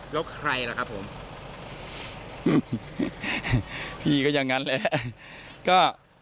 แล้วใครล่ะครับผมอืมพี่ก็อย่างนั้นแหละก็